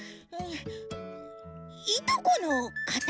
いとこのかた？